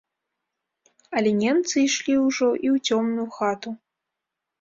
Але немцы ішлі ўжо і ў цёмную хату.